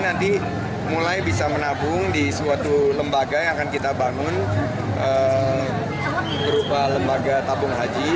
nanti mulai bisa menabung di suatu lembaga yang akan kita bangun berupa lembaga tabung haji